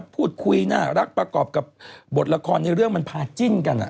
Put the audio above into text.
พูดคุยน่ารักประกอบกับบทละครในเรื่องมันพาจิ้นกัน